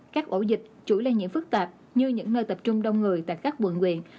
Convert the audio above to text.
các ổ dịch chuỗi lây nhiễm phức tạp như những nơi tập trung đông người tại các quận quyện